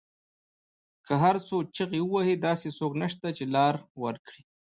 که هر څو چیغې وهي داسې څوک نشته، چې لار ورکړی